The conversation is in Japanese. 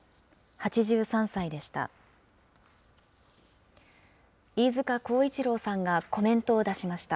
８３歳でした。